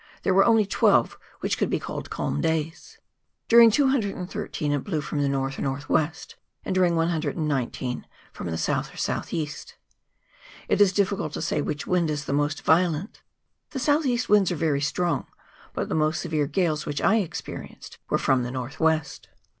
175 there were only twelve which could be called calm days; during 213 it blew from the north or north west, and during 119 from the south or south east. It is difficult to say which wind is the most violent : the south east winds are very strong, but the most severe gales which I experienced were from the north west.